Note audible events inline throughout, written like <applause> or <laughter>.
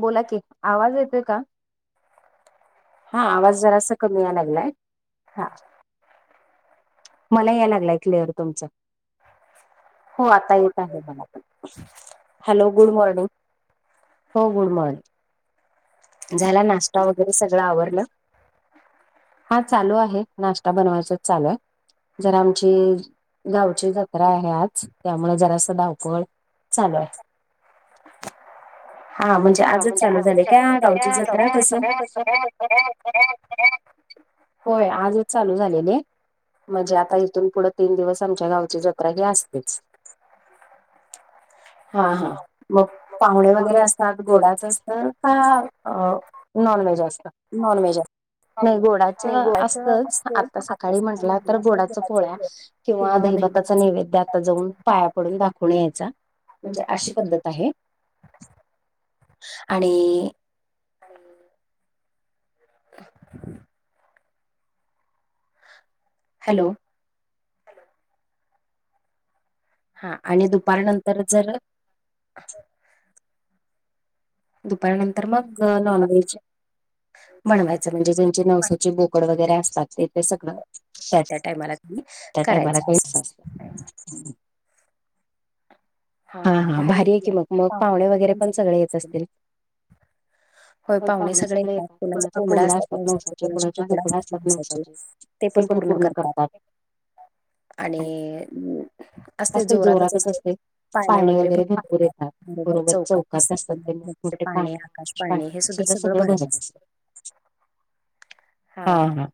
बोला की! आवाज येतोय का? हां आवाज जरासा कमी याय लागलाय हां. मला याय लागलाय क्लिअर तुमचा. हो आता येत आहे मला पण, हॅलो! Good morning. हो गुड मॉर्निंग! झाला नाष्टा वैगेरे सगळं आवरलं? हां चालू आहे नाष्टा बनवायचंच चालू आहे. जरा आमची गावची जत्रा आहे आज, त्यामुळे जरासं धावपळ चालू आहे. हां म्हणजे आजच चालू झालंय. त्या गावची जत्रा कसं होय आजच चालू झालेली आहे. म्हणजे आता इथून पुढं तीन दिवस आमच्या गावची जत्रा ही असतेच. हां हां मग पाहुणे वगैरे असतात गोडाच असतं. का अ नॉन व्हेज असत? नॉनव्हेज हाय नाही गोडाच असतच आता सकाळी म्हंटला तर गोडाच पोळ्या किंवा दहीभाताचा नैवेद्य आता जाऊन पाया पडून दाखवून यायचा. म्हणजे अशी पद्धत आहे. आणि <unintelligible> <unintelligible> हॅलो हा आणि दुपार नंतरच दुपारनंतर मग नॉनव्हेज बनवायचं म्हणजे ज्यांचे नवसाचे बोकड वगैरे असतात तेते सगळं त्यात त्या टायमाला <unintelligible> हम् हा हा भारी हाय की मग मग पाहुणे वगैरे पण सगळे येत असतील होय पाहुणे सगळे येतात कोणाचे कोंबडा असतात नवसाच कोणाचे बोकड असतात नवसाचे. ते पण पूर्ण करतात आणि असतय जोरातच असतय पाळणी वगैरे भरपूर येतात बरोबर चौकात असतात ते मोठमोठे पाळणे पाळनी सुद्धा सगळं म्हणजे हा हा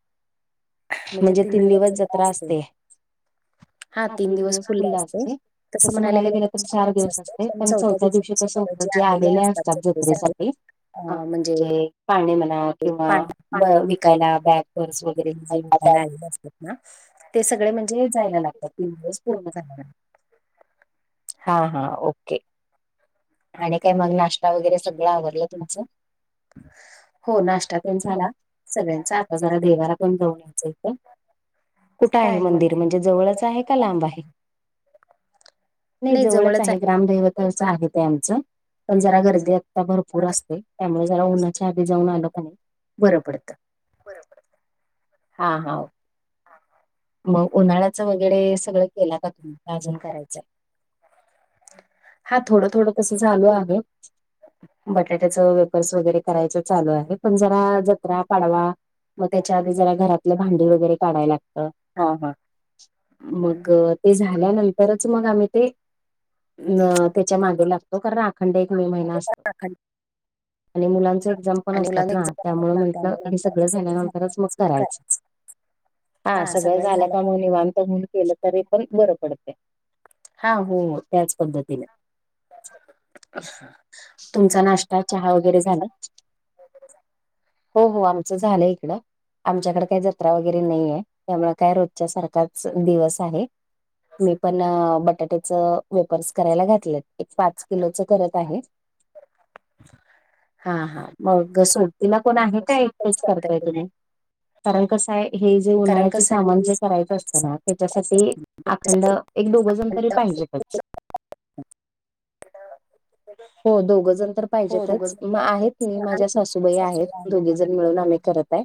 म्हणजे तीन दिवस जत्रा असते हा तीन दिवस खुल्ल असते तसं म्हणायला गेलं तर चार दिवस असते पण चौथ्या दिवशी कसं होतं जे आलेले असतात जत्रेसाठी हा म्हणजे पाळणे म्हणा किंवा विकायला बॅग पर्स वगैरे <unintelligible> ते सगळे म्हणजे जायला लागतात तीन दिवस पूर्ण झाल्या हा हा ओके आणि काय मग नाष्टा वगैरे सगळं आवरलं तुमचं हो नाष्टा तेन झाला. सगळ्यांचा आता जरा देवाला पण जाऊन यायचं इथ कुठं आहे मंदिर म्हणजे जवळच आहे का लांब आहे नाही जवळच आहे ग्रामदैवतच आहे ते आमच पण जरा गर्दी आता भरपूर असते त्यामुळे जरा उन्हाच्या आधी जाऊन आलं कणी बरं पडतं हा हा मग उन्हाळ्याच वगैरे सगळं केलात आमच आजुन करायचाय हा थोडं थोडं तसं चालू आहे बटाट्याचं वेफर्स वगैरे करायचं चालू आहे पण जरा जत्रा पाडवा म त्याचा बी जरा घरातली भांडी वगैरे काढाय लागतं मगं ते झाल्यानंतरच मग आम्ही ते अ त्याच्या मागे लागतो कारण अखंड एक मे महिना असतो आणि मुलांच एक्झाम पण असतात ना त्यामुळे म्हटलं हे सगळं झाल्यानंतरच मग करायचं. हा सगळं झाला का म निवांत होऊन केलं तरी पण बरं पडतंय. हा हो त्याच पध्दतीने. तुमचा नाष्टा चहा वगैरे झाल हो हो आमचं झालं इकडं. आमच्याकडे काही जत्रा वगैरे नाही आहे त्यामुळे काय रोजच्या सारखाच दिवस आहे. मी पण बटाट्याचं वेफर्स करायला घातलेत एक पाच किलोच करत आहे. हा हा मग सोबतीला कोण आहे का एकटेच करताय तुम्ही? कारण कसंय आहे हे जे उन्हाळ्याचे सामान जे करायचं असतं ना त्याच्यासाठी अखंड एक दोघजण तरी पाहिजेतच. <unintelligible> हो दोघजण तर पाहिजेतच मग आहेत मी माझ्या सासूबाई आहेत दोघी जण मिळून आम्ही करत काय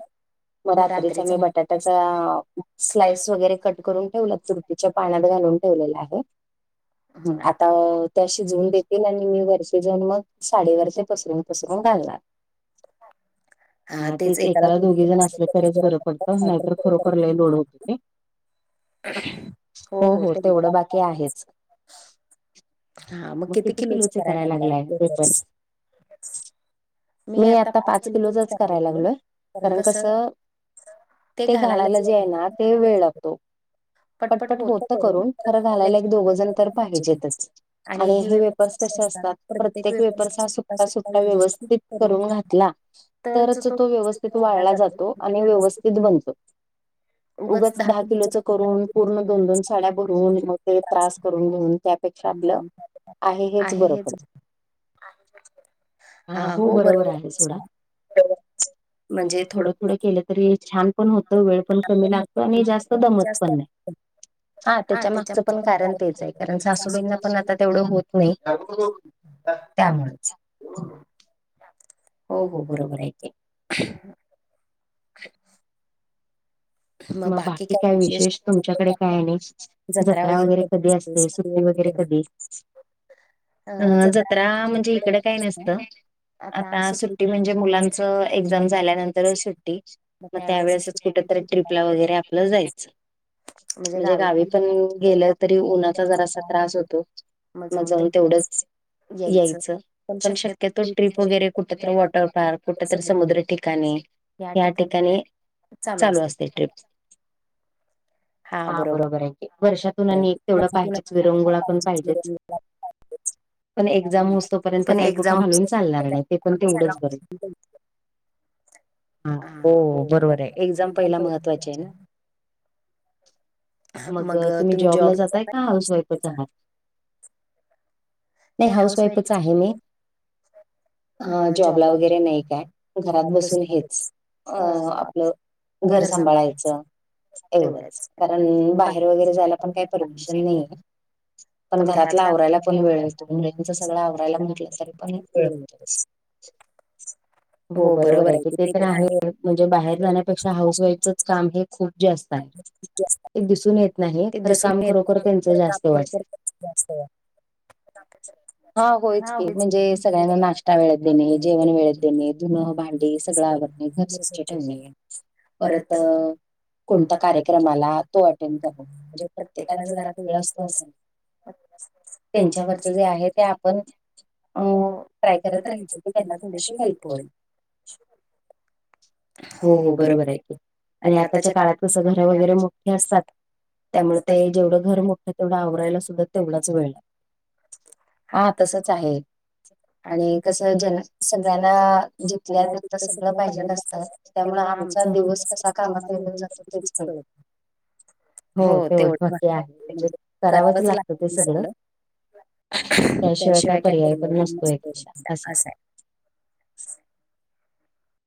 मग रात्रीच आम्ही बटाट्याचा स्लाईस वगैरे कट करून ठेवल्यात तुरटी त्या पाण्यात घालून ठेवलेले आहे आता त्या शिजवून देतील आणि मी वरती जावुन मग साडीवरती पसरून पसरून घालणार. हा तेच एकाला दोघी जण असले तरचं बरं पडतं नाहीतर खरोखर लई लोड होत ते. हो हो तेवढं बाकी आहेच. मग किती किलोचे करायला लागलाय वेफर्स? मी आता पाच किलोचचं कराय लागलोय कारण कसं ते घालायला जे आहे ना ते वेळ लागतो पटपट होत करून खरं घालायला एक दोघंजण तर पाहिजेतचं. आणि हे वेपर्स कसे असतात प्रत्येक वेफर्स हा सुट्टा सुट्टा व्यवस्थित करून घातला तरचं तो व्यवस्थित वाळला जातो आणि व्यवस्थित बनतो. उगंच दहा किलोचं करून पूर्ण दोन दोन साड्या भरून मग ते त्रास करून घेऊन त्या पेक्षा आपलं आहे हेच बरं पडतं. आहे हा हो बरोबर आहे सोडा म्हणजे थोडं थोडं केलं तरी छान पण होत वेळ पण कमी लागतो आणि जास्त दमत पण नाही. हा त्याच्या मागचं पण कारण तेच आहे कारण सासूबाईंना पण आता तेवढं होत नाही. त्यामुळंच. हो हो बरोबर आहे की. मग बाकी काय विशेष तुमच्याकडे काय आणि जत्रा वगैरे कधी असते सुट्टी वगैरे कधी? अ जत्रा म्हणजे इकडे काय नसतं. आता सुट्टी म्हणजे मुलांच एक्झाम झाल्यानंतरच सुट्टी मग त्यावेळेसच कुठेतरी ट्रिप ला वगैरे आपलं जायचं. म्हणजे गावी पण गेलं तरी उन्हाचा जरासा त्रास होतो. मग जाऊन तेवढंच यायचं. पण शक्यतो ट्रिप वगैरे कुठंतर वॉटर पार्क कुठंतर समुद्र ठिकाणी. या ठिकाणी चालू असतील. टिप, हा बरोबर आहे. एक वर्षात तुला पण एक तेवढं पाहिजेच विरंगुळा पण पाहिजेच. पण एक्झाम हो असतो पर्यंत काही कुठं हालवून चालणार नाही ते पण तेवढेच बरे. ह हो बरोबर आहे एक्झाम. <inaudible> मग तुम्ही जॉबला जाताय का हाऊसवाईफच आहात. नाही हाऊसवाईफच आहे मी. ह जॉबला वगैरे नाही काय घरात बसून हेच अ आपलं. घर सांभाळायचं. एवढंच कारण बाहेर वगैरे जायला पण काही परमिशन नाहीये. पण घरातला आवरायला पण वेळ होतो मुलींच सगळं आवरायला म्हटलं तरी पण वेळ होतोच. <inaudible> हो बरोबर आहे की ते तर आहे म्हणजे बाहेर जाण्या. हाऊसवाईफचच काम हे खूप जास्त आहे. ते दिसून येत नाही खरं काम खरोखर त्यांच जास्त वाटत. जास्त आहे. हा होयच की म्हणजे सगळ्यांना नाश्ता वेळेत देणे जेवण वेळेत देणे. देणे धुन भांडी सगळं आवरणे घर स्वच्छ ठेवणे परत. कोणता कार्यक्रम आला तो अटेंड करून म्हणजे प्रत्येकाला जना वेळ असतो असेलअसं नाही. त्यांच्यावरती ज आप. <unintelligible> अ ट्राय करत राहायच की त्यांना थोडीशी हेल्प होईल. हो हो बरोबर आहे आणि आताच्या काळात कसं घर वगैरे मोठे असतात. त्यामुळे ते जेवढं घर मोठं तेवढं आवरायला सुद्धा तेवढाच वेळ. हा तसच आहे. आणि कसं जन सगळ्यांना जिथल्या तिथं सगळ पाहिजे नसतं. त्यामुळे आमचा दिवस कसा कामात निघून जातो तेच कळेना. हो तेवढं बाकी आहेम्हणजे करावंच लागतं ते सगळं. त्याशिवाय काय पर्याय पण नसतो एकपेक्षा असा.